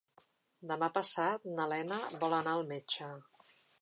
Demà passat na Lena vol anar al metge.